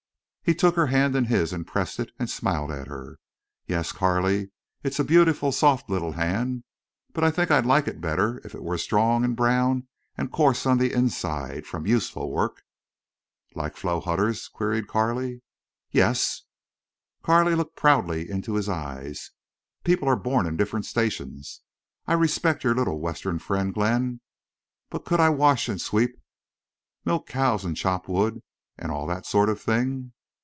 He took her hand in his and pressed it, and smiled at her. "Yes, Carley, it's a beautiful, soft little hand. But I think I'd like it better if it were strong and brown, and coarse on the inside—from useful work." "Like Flo Hutter's?" queried Carley. "Yes." Carley looked proudly into his eyes. "People are born in different stations. I respect your little Western friend, Glenn, but could I wash and sweep, milk cows and chop wood, and all that sort of thing?"